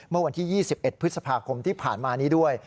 เมื่อวันที่๒๑พฤษภาคมที่ผ่านมานี้ด้วย